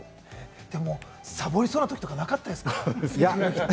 でも、さぼりそうな時とかなかったですか？